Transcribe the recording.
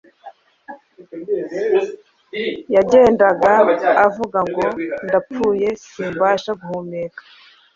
yagendaga avuga ngo ndapfuye simbasha guhumeka.